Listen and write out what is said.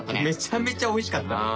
めちゃめちゃおいしかった。